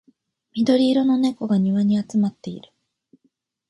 緑色の猫が庭に集まっている